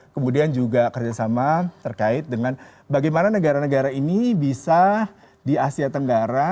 kemudian juga kerjasama terkait dengan bagaimana negara negara ini bisa di asia tenggara